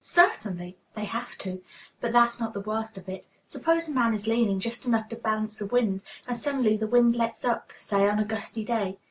"Certainly; they have to. But that's not the worst of it. Suppose a man is leaning just enough to balance the wind, and suddenly the wind lets up, say on a gusty day.